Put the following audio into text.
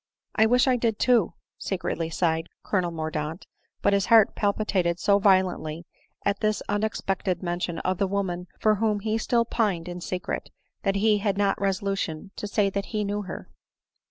"I wish I did too," secretly sighed Colonel Mordaunt ; but his heart palpitated so violently at this unexpected mention of the woman for whom he still pined in secret, that he had not resolution to say that he knew her.